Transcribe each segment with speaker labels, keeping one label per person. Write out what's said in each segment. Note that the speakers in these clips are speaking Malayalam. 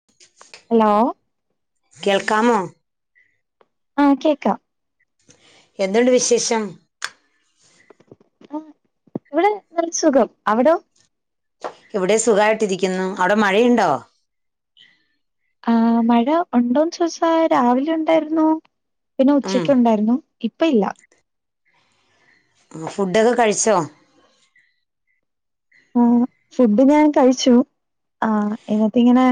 Speaker 1: [inaudible]
Speaker 2: ഹലോ.
Speaker 1: കേൾക്കമോ?
Speaker 2: ആഹ് കേക്കാം.
Speaker 1: എന്തുണ്ട് വിശേഷം?
Speaker 2: ആഹ് ഇവിടെ നല്ല സുഖം, അവിടോ?
Speaker 1: ഇവിടെ സുഖമായിട്ടിരിക്കുന്നു, അവിടെ മഴയുണ്ടോ?
Speaker 2: ആഹ് മഴ ഉണ്ടോന്ന് ചോയിച്ചാ രാവിലെ ഉണ്ടായിരുന്നു പിന്നെ
Speaker 1: ഉം
Speaker 2: ഉച്ചക്ക് ഉണ്ടായിരുന്നു. ഇപ്പം ഇല്ല.
Speaker 1: ആഹ് ഫുഡൊക്കെ കഴിച്ചോ?
Speaker 2: ആഹ് ഫുഡ് ഞാൻ കഴിച്ചു ആഹ് എന്നിട്ട് ഇങ്ങനെ.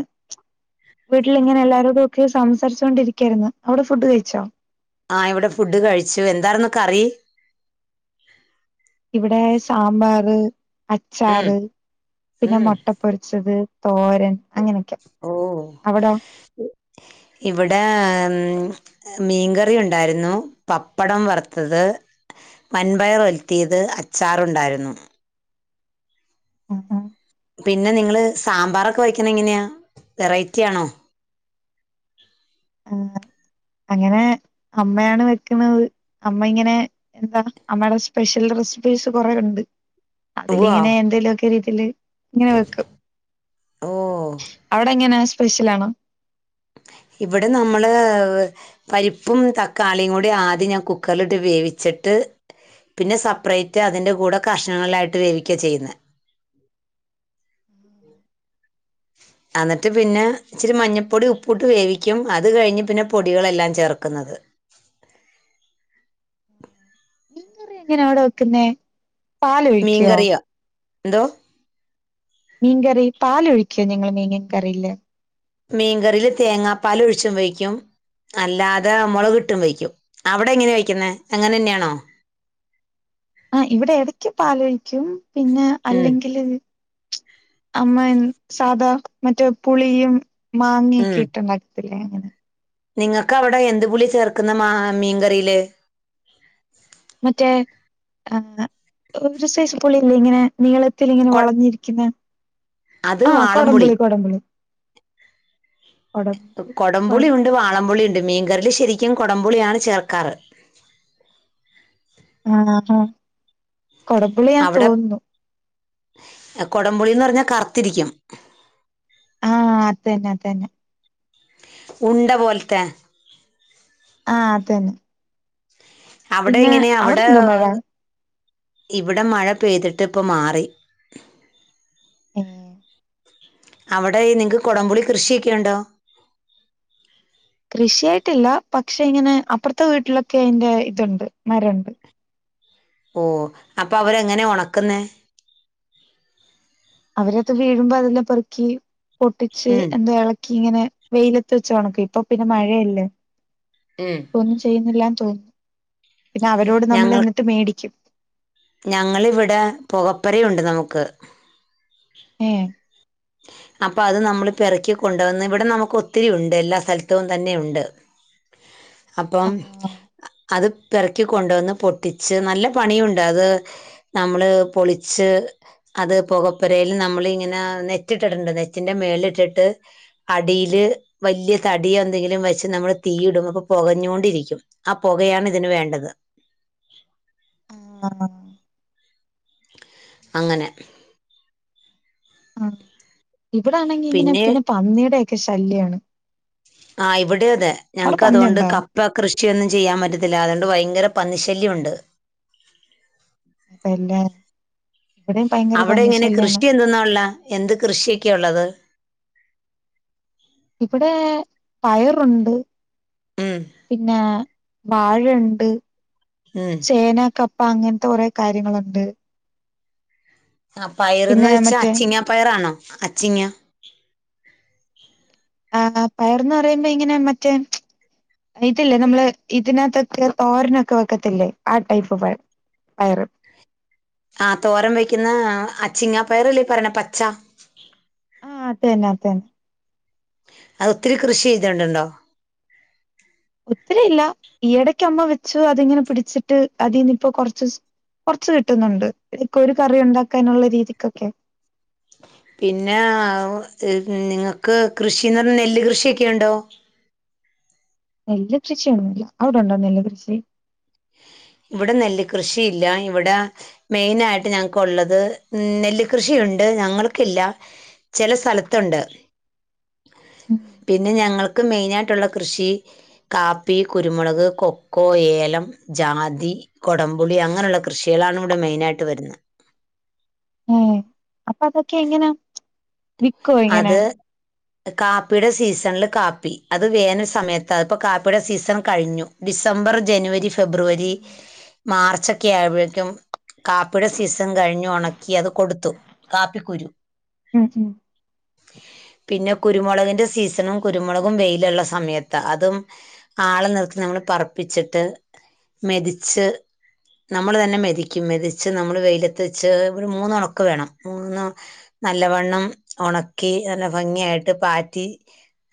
Speaker 2: വീട്ടിൽ ഇങ്ങനെ എല്ലാരോടും ഒക്കെ സംസാരിച്ചുകൊണ്ടിരിക്കയായിരുന്നു, അവിടെ ഫുഡ് കഴിച്ചോ?
Speaker 1: ആഹ് ഇവിടെ ഫുഡ് കഴിച്ചു, എന്താർന്നുക്കറി?
Speaker 2: ഇവിടെ സാമ്പാറ്,
Speaker 1: ഉം
Speaker 2: അച്ചാറ്, പിന്നെ
Speaker 1: ഉം
Speaker 2: മുട്ട പൊരിച്ചത്, തോരൻ. അങ്ങനെയൊക്കെ
Speaker 1: ഓഹ്
Speaker 2: അവിടോ
Speaker 1: ഇവിടെ ഉം. മീൻകറി, ഉണ്ടായിരുന്നു പപ്പടം വറുത്തത്. വൻപയർ ഒലത്തിയത്, അച്ചാറുണ്ടായിരുന്നു.
Speaker 2: ആഹ്
Speaker 1: പിന്നെ നിങ്ങള് സാമ്പാറൊക്കെ വയ്ക്കണ എങ്ങനെയാ വെറൈറ്റി ആണോ?
Speaker 2: ആഹ്
Speaker 1: ഉ
Speaker 2: അങ്ങനെ അമ്മയാണ് വെക്കുന്നത്. അമ്മ ഇങ്ങനെ എന്താ അമ്മയുടെ സ്പെഷ്യൽ റെസിപ്പീസ് കൊറെ ഉണ്ട്. അതില്
Speaker 1: ഉവ്വോ
Speaker 2: ഇങ്ങനെ എന്തേലുമക്കെ രീതിൽ ഇങ്ങനെ വെക്കും
Speaker 1: ഓ
Speaker 2: അവടെ എങ്ങനെ സ്പെഷ്യൽ ആണോ?
Speaker 1: ഇവിടെ നമ്മള്. പരിപ്പും, തക്കാളിയും കൂടി ആദ്യം ഞാൻ കുക്കറിലിട്ട് വേവിച്ചിട്ട്. പിന്നെ സെപ്പറേറ്റ് അതിൻ്റെ കൂടെ കഷ്ണങ്ങളിട്ട് വേവിക്കുകാണ് ചെയ്യുന്നത്. ഉ അന്നിട്ട് പിന്നെ ഇച്ചിരി മഞ്ഞൾപ്പൊടി, ഉപ്പു ഇട്ട് വേവിക്കും അത് കഴിഞ്ഞ് പിന്നെ പൊടികളെല്ലാം ചേർക്കുന്നത്.
Speaker 2: [unintelligible] മീൻക്കറി എങ്ങനെ അവിടെ വെക്കുന്നെ?
Speaker 1: മീൻക്കറിയോ എന്തോ?
Speaker 2: മീൻക്കറി പാല് ഒഴിക്കോ നിങ്ങള് മീൻ കറിയില്.
Speaker 1: മീൻക്കറില് തേങ്ങ പാലൊഴിച്ചും വയ്ക്കും. അല്ലാതെ മുളകിട്ടും വെയ്ക്കും അവിടെ എങ്ങനെ വയ്ക്കുന്നേ അങ്ങനെ തന്നെയാണോ?
Speaker 2: ആഹ് ഇവിടെ എടയ്ക്ക് പാലൊഴിക്കും പിന്നെ
Speaker 1: ഉം
Speaker 2: അല്ലെങ്കില്. അമ്മ സാധാ മറ്റേ പുളിയും മാങ്ങയൊക്കെ ഇട്ടു ഉണ്ടാക്കും. ല്ലേ അങ്ങനെ.
Speaker 1: നിങ്ങക്ക് അവിടെ എന്ത്പുളി ചേർക്കുന്ന മാ മീൻക്കറിയില്.
Speaker 2: മറ്റേ ആഹ് ഒരു സൈസ് പുളില്ലേ ഇങ്ങനെ. നീളത്തിലിങ്ങനെ
Speaker 1: കൊ-
Speaker 2: വളഞ്ഞിരിക്കുന്ന
Speaker 1: അത്
Speaker 2: ആഹ്
Speaker 1: വാളംപുളി
Speaker 2: കൊടംപുളി കൊടംപുളി. കൊടംപുളി
Speaker 1: കൊടംപുളിയുണ്ട്,
Speaker 2: വളംപുളി
Speaker 1: വാളംപുളിയുണ്ട് മീൻക്കറില് ശരിക്കും കൊടംപുളിയാണ് ചേർക്കാറ്.
Speaker 2: ആഹ് ആഹ് കൊടം
Speaker 1: അവടെ അകൊടംപുളീന്ന് പറഞ്ഞാ കറത്തിരിക്കും
Speaker 2: ആഹ് അതന്നെ അതന്നെ
Speaker 1: ഉണ്ട പോൽത്തെ
Speaker 2: ആഹ് അതന്നെ
Speaker 1: അവടെ എങ്ങനെയാ അവടെ
Speaker 2: അവിടെണ്ടോ മഴ?
Speaker 1: ഇവടെ മഴ പെയ്ത്ട്ട് ഇപ്പംമാറി
Speaker 2: ഏഹ്
Speaker 1: അവടെ ഈനിങ്ങ്ക്ക് കൊടംപുളി കൃഷിയെ ക്കെ ഉണ്ടോ
Speaker 2: കൃഷിയായിട്ടില്ല പക്ഷെ ഇങ്ങനെ അപ്പർത്തെ വീട്ടിലൊക്കെ എന്റെ ഇതുണ്ട് മരണ്ട്
Speaker 1: ഓ അപ്പ അവരെങ്ങനെ ഒണക്ക്ന്നെ
Speaker 2: അവരത് വീഴുമ്പ അതെല്ലാം പെറുക്കി പൊട്ടിച്ച്
Speaker 1: ഉം
Speaker 2: എന്താ എളക്കി ഇങ്ങനെ വെെലത്ത് വെച്ച് ഒണക്കി ഇപ്പൊ പിന്നെ മഴയല്ലേ
Speaker 1: ഉം
Speaker 2: ഒന്നും ചെയ്യ്ന്നില്ലാന്ന് തോനുന്നു പിന്നഅവരോട് നമ്മള് എന്ന്ട്ട് മേടിക്കും
Speaker 1: ഞങ്ങള് ഇവടെ പൊകപ്പെരയുണ്ട് നമുക്ക്
Speaker 2: ഏഹ്
Speaker 1: അപ്പഅത് നമ്മള് പെറ്ക്കി കൊണ്ട് വന്ന് ഇവടെ നമുക്ക് ഒത്തിരി ഉണ്ട് എല്ലാ സ്ഥലത്തും തന്നെയുണ്ട് അപ്പം
Speaker 2: ആഹ്
Speaker 1: അത് പെറക്കി കൊണ്ടുവന്ന് പൊട്ടിച്ച് നല്ല പണിയുണ്ട് അത് നമ്മള് പൊളിച്ച് അത് പൊകപ്പെരേല് നമ്മളിങ്ങനാ നെ റ്റ്ട്ട ഇടണ്ട് നെറ്റിന്റെ മേല് ഇട്ടിട്ട് അടീല് വല്യ തടി എന്തെങ്കിലും വെച്ച് നമ്മള് തീയിടും അപ്പൊ പൊകഞ്ഞോണ്ടിരിക്കും അപൊകയാണ് ഇതിന് വേണ്ടത്
Speaker 2: ആഹ്
Speaker 1: അങ്ങനെ
Speaker 2: ആഹ് ഇവിടാണെങ്കി ഇങ്ങനെ പിന്നെ പന്നീടെക്കെ ശല്ല്യാണ്
Speaker 1: ആഹ് ഇവടീം അതെ ഞങ്ങക്ക് അതുകൊണ്ട്
Speaker 2: പന്നിയുണ്ടോ?
Speaker 1: ക പ്പ കൃഷിയൊന്നും ചെയ്യാം പറ്റത്തില്ല അതുകൊണ്ട് ഭയങ്കര പന്നിശല്ല്യം ഉണ്ട്
Speaker 2: അതല്ല ഇവിടെയും ഭയങ്കര
Speaker 1: അവടെ
Speaker 2: പന്നി
Speaker 1: ഇങ്ങനെ
Speaker 2: ശല്യാണ്.
Speaker 1: കൃഷി എന്താെന്നാ ഇള്ളെ എന്ത് കൃഷിയെക്കെയാ ഉള്ളത്
Speaker 2: ഇപടെ പയറുണ്ട്
Speaker 1: ഉം
Speaker 2: പിന്നെ വാഴണ്ട്
Speaker 1: ഉം
Speaker 2: ചേന കപ്പ അങ്ങൻത്തെ കൊറെ കാര്യങ്ങളുണ്ട്
Speaker 1: ആഹ് പയറ്ന്ന്
Speaker 2: പിന്നെ
Speaker 1: വെച്ചാ
Speaker 2: മറ്റേ
Speaker 1: അച്ചിങ്ങ പയറാണോ അച്ചിങ്ങ
Speaker 2: ആഹ് പയറ്ന്ന് പറയുമ്പെ ഇങ്ങനെ മറ്റേ ഇതില്ലേ നമ്മള് ഇതിനകത്തൊക്കെ തോരനൊക്കെ വെക്കത്തില്ലേ ആഹ് ടൈപ്പ് പയറ് പയറ്
Speaker 1: ആഹ് തോരം വെക്ക്ന്ന അച്ചിങ്ങാ പയറല്ലേ പറയ്ണ പച്ച
Speaker 2: ആഹ് അതന്നെ അതന്നെ
Speaker 1: അത് ഒത്തിരി കൃഷി ചെയ്തത്ണ്ടോ
Speaker 2: ഒത്തിരിയില്ല ഈ എടക്ക് അമ്മ വെച്ച് അതിങ്ങനെ പിടിച്ച്ട്ട് അതീന്ന് ഇപ്പൊ കൊറച്ച് സ് കൊറച്ച് കിട്ടുന്നുണ്ട് ഇക്കാെരു കറി ഉണ്ടാക്കാനുള്ള രീതികാെക്കെ
Speaker 1: പിന്നാ അവു നിങ്ങക്ക് കൃഷീന്ന് പറ്ഞ്ഞാ നെല്ല് കൃഷിയെക്കെ ഉണ്ടോ
Speaker 2: നെല്ല് കൃഷിയൊന്നുല്യ അവ്ടുണ്ടോ നെല്ല് കൃഷി
Speaker 1: ഇവടെ നെല്ല് കൃഷിയില്ല ഇവടെ മെെനായിട്ട് ഞങ്ങക്കുള്ളത് നെല്ല് കൃഷിയുണ്ട് ഞങ്ങൾക്കില്ല ചെല സ്ഥലത്തുണ്ട് പിന്നെ ഞങ്ങൾക്ക് മെെനായ്ട്ട്ള്ള കൃഷി കാപ്പി, കുരുമാെളക്, കൊക്കോ, ഏലം ജാതി, കൊടംപുളി അങ്ങനുള്ള കൃഷികളാണ് ഇവിടെ മെെനായിട്ട് വെര്ന്നേ
Speaker 2: ഏ അപ്പൊ അതൊക്കെ എങ്ങന
Speaker 1: അത് കാപ്പിയുടെ സീസണില് കാപ്പി അത് വേനല് സമയത്താ ഇപ്പോ കാപ്പിയുടെ സീസൺ കഴിഞ്ഞു. ഡിസംബർ, ജനുവരി, ഫെബ്രുവരി, മാർച്ചൊക്കെ ആവ്മ്പോഴേക്കും കാപ്പിയുടെ സീസൺ കഴിഞ്ഞു ഒണക്കി അത് കൊടുത്തു കാപ്പി കുരു
Speaker 2: ഉം
Speaker 1: പിന്നെ കുരുമുളകിൻ്റെ സീസണും കുരുമുളകും വെയിലുള്ള സമയത്താ അതും ആളെ നിർത്തി നമ്മള് പറപ്പിച്ചിട്ട് മെതിച്ച് നമ്മൾ തന്നെ മെതിക്കും മെതിച്ച് നമ്മള് വെയിലത്ത് വെച്ച് ഒരു മൂന്നൊണക്ക് വേണം മൂന്ന് നല്ലവണ്ണം ഒണക്കി നല്ല ഭംഗിയായിട്ട് പാറ്റി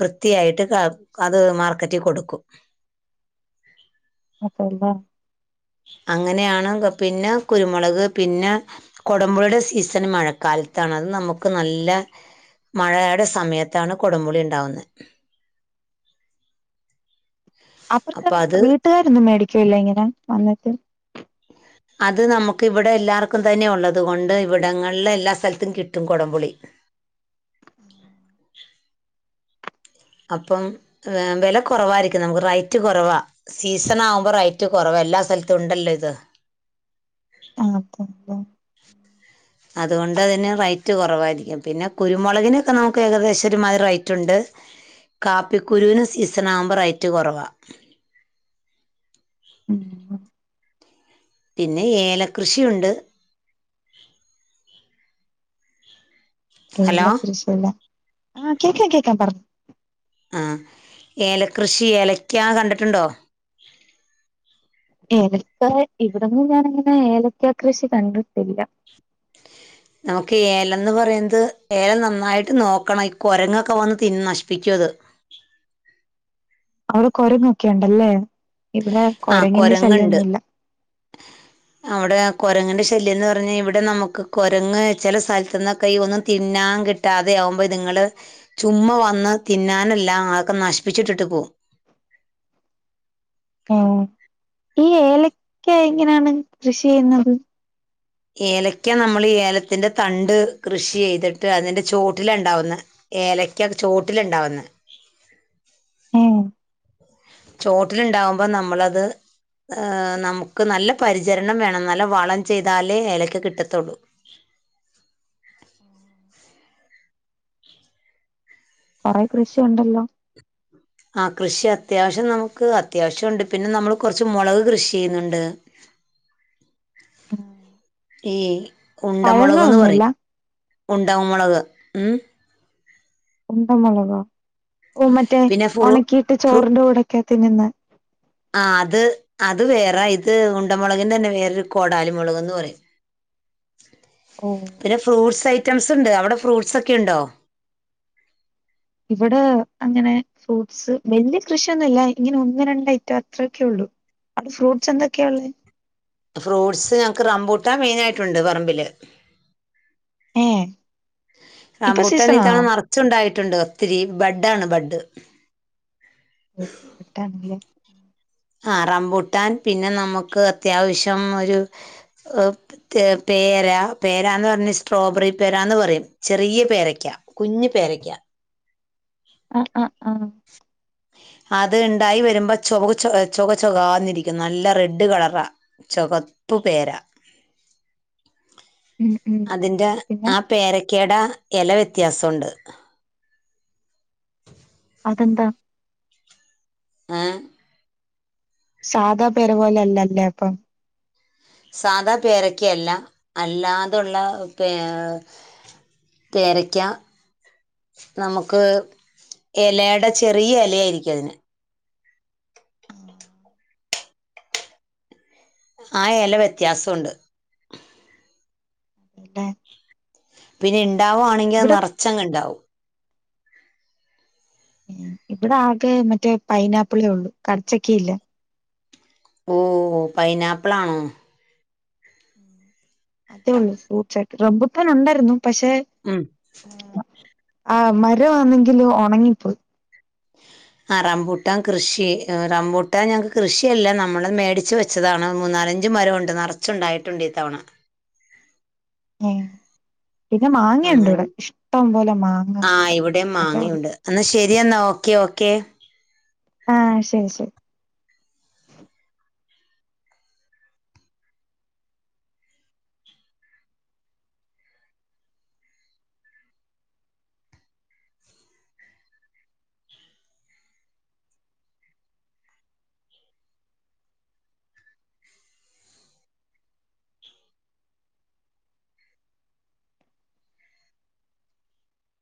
Speaker 1: വൃത്തിയായിട്ട് ക അത് മാർക്കറ്റിൽ കൊടുക്കും.
Speaker 2: അപ്പന്താ
Speaker 1: അങ്ങനെയാണ് പിന്നെ കുരുമുളക് പിന്നെ കൊടം പുളീടെ സീസൺ മഴക്കാലത്താണ് അത് നമുക്ക് നല്ല മഴേടെ സമയത്താണ് കൊടും പുളി ഇണ്ടാവുന്നത്
Speaker 2: അപ്പുറത്തെ
Speaker 1: അപ്പൊ അത്
Speaker 2: വീട്ടുകാരൊന്നും മേടിക്കൂല്ല ഇങ്ങനെ വന്നിട്ട്
Speaker 1: അത് നമുക്ക് ഇവിടെ എല്ലാവർക്കും തന്നെ ഉള്ളത് കൊണ്ട് ഇവിടങ്ങളിൽ എല്ലാ സ്ഥലത്തും കിട്ടും കൊടംപുളി അപ്പം വില കുറവായിരിക്കും നമുക്ക് റൈറ്റ് കുറവാ സീസൺ ആകുമ്പോ റേറ്റ് കുറവാ എല്ലാ സ്ഥലത്തും ഉണ്ടല്ലോ ഇത്
Speaker 2: ആ അത അതെ
Speaker 1: അതുകൊണ്ട് അതിന് റേറ്റ് കുറവായിരിക്കും പിന്നെ കുരുമുളകിനൊക്കെ നമുക്ക് ഏകദേശം ഒരുമാതിരി റേറ്റ് ഉണ്ട് കാപ്പിക്കുരുവിന് സീസൺ ആവുമ്പ റൈറ്റ് കുറവാ
Speaker 2: ഉം
Speaker 1: പിന്നെ ഏലകൃഷിയുണ്ട് ഹലോ
Speaker 2: ഏല കൃഷി അല്ലെ ആഹ കേൾക്കാ കേൾക്കാ പറഞ്ഞു
Speaker 1: ആ ഏലകൃഷി ഏലക്കാ കണ്ടിട്ടുണ്ടോ
Speaker 2: ഏലക്കാ ഇവിടങ്ങും ഞാനങ്ങനെ ഏലക്കാ കൃഷി കണ്ടിട്ടില്ല
Speaker 1: നമുക്ക് ഏലംന്ന് പറയ്ന്നത് ഏലം നന്നായിട്ട് നോക്കണം ഈ കുരങ്ങൊക്കെ വന്ന് തിന്ന് നശിപ്പിക്കും അത്
Speaker 2: അവിടെ കൊരങ്ങൊക്കെ ഉണ്ടല്ലേ ഇവിടെ
Speaker 1: ആ
Speaker 2: കൊരങ്ങിന്റെ ശല്യം
Speaker 1: കുരങ്ങുണ്ട്
Speaker 2: ഒന്നുല്ല
Speaker 1: അവിടെ കുരങ്ങിന്റെ ശല്യം എന്ന് പറഞ്ഞാൽ ഇവിടെ നമുക്ക് കൊരങ്ങ് ചില സ്ഥലത്ത്ന്ന് ഒക്കെ ഒന്നും തിന്നാൻ കിട്ട കിട്ടാതെ ആവുമ്പൾ ഇത്ങ്ങൾ ചുമ്മാ വന്ന് തിന്നാനെല്ലാം ആകെ നശിപ്പിച്ചിട്ടിട്ട് പോവും
Speaker 2: ഈ ഏലക്ക എങ്ങനെയാണ് കൃഷി ചെയ്യുന്നത്
Speaker 1: ഏലക്ക നമ്മൾ ഈ ഏലത്തിന്റെ തണ്ട് കൃഷി ചെയ്തിട്ട് അതിന്റെ ചോട്ടിലാ ഉണ്ടാവുന്നത് ഏലക്ക ചോട്ടിലാണ്ടാവ്ന്നേ
Speaker 2: ഏഹ്
Speaker 1: ചോട്ടിലുണ്ടാവുമ്പോ നമ്മളത് നമുക്ക് നല്ല പരിചരണം വേണം നല്ല വളം ചെയ്താലേ ഏലക്ക് കിട്ടത്തോള്ളൂ
Speaker 2: കൊറെ കൃഷി ഉണ്ടല്ലോ
Speaker 1: ആ കൃഷി അത്യാവശ്യം നമുക്ക് അത്യാവശ്യം ഉണ്ട് പിന്നെ നമ്മൾ കോർച്ച് മൊളക് കൃഷി ചെയ്യുന്നുണ്ട് ഈ ഉണ്ടമുളക് ന്ന്
Speaker 2: പഴങ്ങളൊന്നുമില്ല
Speaker 1: പറയും ഉണ്ട മുളക് ഉം
Speaker 2: ഉണ്ട മുളകാ ഓ മറ്റേ
Speaker 1: പിന്നെ ഫ്രു
Speaker 2: ഉണക്കിയിട്ട്
Speaker 1: ഫ്രു
Speaker 2: ചോറിന്റെ കൂടെ ഒക്കെ തിന്ന്
Speaker 1: ആ അത് അത് വേറെ ഇത് ഉണ്ടമുളകിന്റെ തന്നെ വേറൊരു കോടാലി മുളക്ന്ന് പറയും
Speaker 2: ഓ
Speaker 1: പിന്നെ ഫ്രൂട്ട്സ് ഐറ്റംസ് ഉണ്ട് അവിടെ ഫ്രൂട്ട്സൊക്കെയുണ്ടോ
Speaker 2: ഇവിടെ അങ്ങനെ ഫ്രൂട്ട്സ് വലിയ കൃഷിയൊന്നുല്ല ഇങ്ങനെ ഒന്ന് രണ്ട് ഐറ്റം അത്രയൊക്കെള്ളൂ അപ്പം ഫ്രൂട്സ് എന്തൊക്കെയാ ഉള്ളേ
Speaker 1: ഫ്രൂട്ട്സ് ഞങ്ങക്ക് റമ്പൂട്ട മെയിനായിട്ടുണ്ട് പറമ്പില്
Speaker 2: ഏ ഇപ്പൊ
Speaker 1: റാമ്പൂട്ടാൻ ഇതവണ
Speaker 2: സീസണാണോ
Speaker 1: നേർച്ചുണ്ടായിട്ടുണ്ട് ഒത്തിരി ബഡാണ് ബഡ്
Speaker 2: ഓ ബെഡ്ഡണല്ലേ
Speaker 1: റംമ്പൂട്ടാൻ പിന്നെ നമുക്ക് അത്യാവശ്യം ഒരു പേര പേരന്ന് പറഞ്ഞ സ്ട്രോബെറി പേര എന്ന് പറയും ചെറിയ പേരക്കാ കുഞ്ഞു പേരയ്ക്ക
Speaker 2: ആഹാ ആ ഹാ ആഹ്
Speaker 1: അത് ഉണ്ടായി വരുമ്പോ ചോക് ചോ ചോക ചോകാന്നിരിക്കും നല്ല റെഡ് കളറാ ചോകപ്പ് പേര
Speaker 2: ഉം ഉം
Speaker 1: അതിന്റെ
Speaker 2: പിന്നെ
Speaker 1: ആ പേരക്കേടാ എല വ്യത്യാസൊണ്ട്
Speaker 2: അതെന്താ
Speaker 1: ഏഹ്
Speaker 2: സാധാപെര പോലെല്ലല്ലേപ്പം
Speaker 1: സാധാപേരക്കല്ല അല്ലാതുള്ള പേഏഹ് പേരയ്ക്ക നമുക്ക് എലെടെ ചെറിയ എലെയിരിക്കും അതിന് ആ എല വെത്യാസുണ്ട്
Speaker 2: ടെഹ്
Speaker 1: പിന്നെണ്ടാവാണെങ്കി അത്
Speaker 2: ഇവിടെ
Speaker 1: നെറച്ചങ്ങ്ണ്ടാവും
Speaker 2: ഇവിടാകെ മറ്റേ പൈനാപ്പിളേള്ളൂ കടച്ചക്കെല്ല
Speaker 1: ഓഹോ പൈനാപ്പിളാണോ
Speaker 2: അതെള്ളൂ ഫ്രൂട്ട്സായിട്ട് റെംബൂട്ടാനുണ്ടായിരുന്നു പക്ഷെ
Speaker 1: ഉം
Speaker 2: ആഹ് മരോന്നെങ്കിൽ ഒണങ്ങിപ്പോയി
Speaker 1: ആ റംമ്പൂട്ടാൻകൃഷി റമ്പൂട്ട ഞങ്ങക്ക് കൃഷിയല്ല നമ്മള്മേടിച്ച് വെ ച്ചതാണ് മൂന്നാലഞ്ച്മരവോണ്ട് നറച്ചുണ്ടായിട്ടുണ്ട് ഇത്തവണ
Speaker 2: ഏഹ് പിന്നെമാങ്ങുണ്ട്
Speaker 1: അങ്ങനെ
Speaker 2: ഇവിടെ ഇഷ്ടംപോലെ മാങ്ങ അതേള്ളൂ
Speaker 1: എന്നാ ശെരി എന്ന ഓക്കെഓക്കെ
Speaker 2: ആഹ് ശെരി ശെരി